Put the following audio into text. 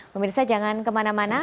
pemirsa jangan kemana mana